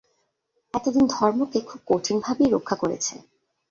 এতদিন ধর্মকে খুব কঠিনভাবেই রক্ষা করেছে।